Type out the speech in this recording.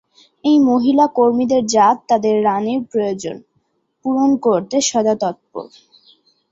এই মহিলা কর্মীদের জাত তাদের রাণীর প্রয়োজন পূরণ করতে সদা তৎপর।